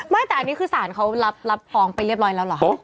ไม่แต่อันนี้คือสารเขารับฟ้องไปเรียบร้อยแล้วเหรอคะ